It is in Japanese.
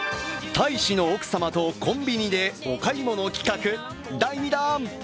大使の奥様とコンビニでお買い物企画、第２弾！